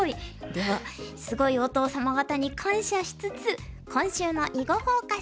ではすごいお父様方に感謝しつつ今週の「囲碁フォーカス」